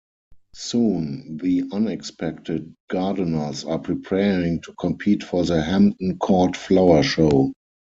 Soon, the unexpected gardeners are preparing to compete for the Hampton Court Flower Show.